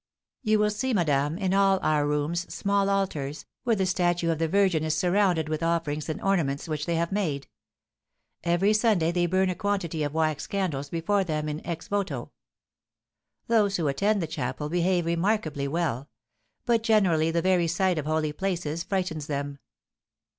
You will see, madame, in all our rooms small altars, where the statue of the Virgin is surrounded with offerings and ornaments which they have made. Every Sunday they burn a quantity of wax candles before them in ex voto. Those who attend the chapel behave remarkably well; but generally the very sight of holy places frightens them.